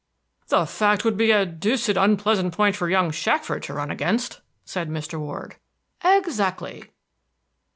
"The fact would be a deuced unpleasant point for young Shackford to run against," said Mr. Ward. "Exactly."